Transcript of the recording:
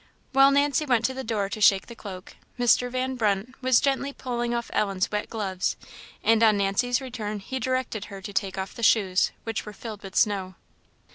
While Nancy went to the door to shake the cloak, Mr. Van Brunt was gently pulling off Ellen's wet gloves, and on Nancy's return he directed her to take off the shoes, which were filled with snow.